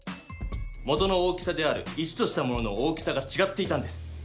元の大きさである１としたものの大きさがちがっていたんです。